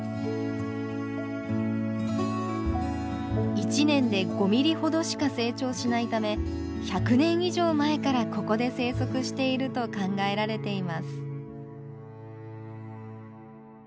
１年で５ミリほどしか成長しないため１００年以上前からここで生息していると考えられています。